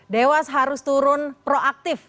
dewas harus turun proaktif